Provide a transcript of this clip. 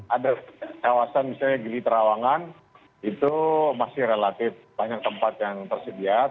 ada kawasan misalnya gili terawangan itu masih relatif banyak tempat yang tersedia